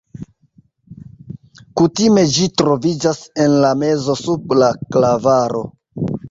Kutime ĝi troviĝas en la mezo sub la klavaro.